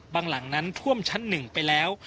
หลังนั้นท่วมชั้น๑ไปแล้ว